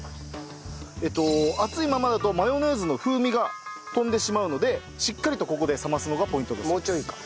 熱いままだとマヨネーズの風味が飛んでしまうのでしっかりとここで冷ますのがポイントだそうです。